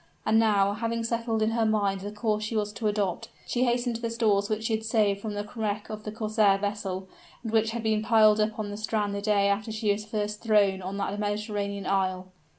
And now, having settled in her mind the course she was to adopt, she hastened to the stores which she had saved from the wreck of the corsair vessel, and which had been piled up on the strand the day after she was first thrown on that Mediterranean isle.